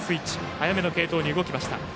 早めの継投に動きました。